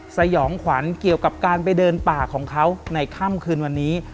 สยองขวัญเกี่ยวกับการไปเดินป่าของเขาในค่ำคืนวันนี้